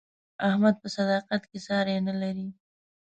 احمد په صداقت کې ساری نه لري.